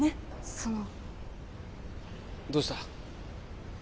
そのどうした？